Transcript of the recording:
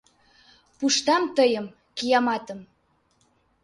— Пуштам тыйым, кияматым!..